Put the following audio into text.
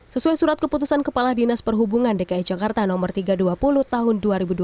sesuai surat keputusan kepala dinas perhubungan dki jakarta no tiga ratus dua puluh tahun dua ribu dua puluh